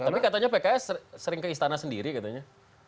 tapi katanya pks sering ke istana sendiri katanya